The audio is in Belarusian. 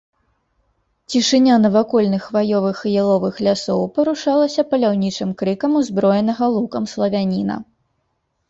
Цішыня навакольных хваёвых і яловых лясоў парушалася паляўнічым крыкам узброенага лукам славяніна.